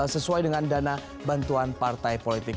sesuai dengan dana bantuan partai politik